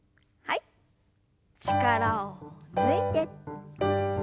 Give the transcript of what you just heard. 力を抜いて。